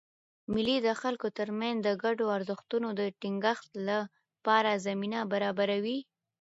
مېلې د خلکو ترمنځ د ګډو ارزښتونو د ټینګښت له پاره زمینه برابروي.